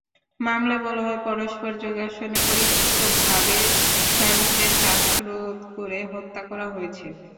মামলায় বলা হয়, পরস্পর যোগসাজশে পরিকল্পিতভাবে শামারুখকে শ্বাসরোধ করে হত্যা করা হয়েছে।